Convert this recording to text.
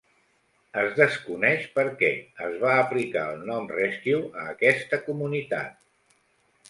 Es desconeix per què es va aplicar el nom Rescue a aquesta comunitat.